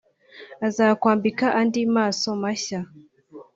azakwambika andi maso mashya